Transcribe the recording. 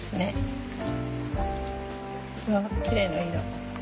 うわきれいな色。